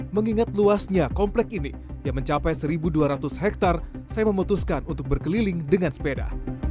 mengingat luasnya komplek ini yang mencapai satu dua ratus hektare saya memutuskan untuk berkeliling dengan sepeda